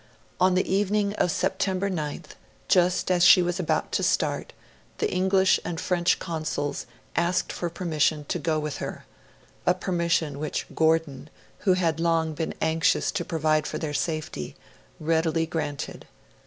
On the evening of September 9th, just as she was about to start, the English and French Consuls asked for permission to go with her a permission which Gordon, who had long been anxious to provide for their safety, readily granted.